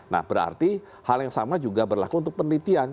nah berarti hal yang sama juga berlaku untuk penelitian